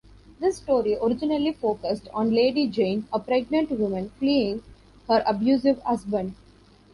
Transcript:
This story originally focused on Lady Jain, a pregnant woman fleeing her abusive husband.